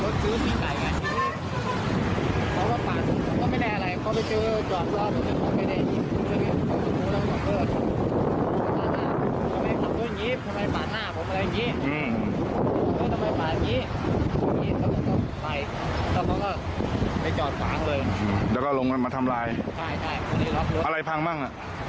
กระตูคัมภาพสองข้างแล้วก็คลุมกระจกหน้ากระจกหนึ่ง